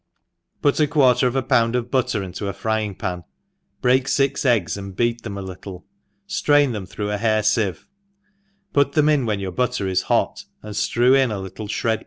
PUT a quarter of a pound of butter into a frying pan, break fix eggs and beat them a little^ ilrain them through a hair fieve, put them in when your butter is hot, and ftrew in a little fhred